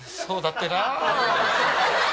そうだってな。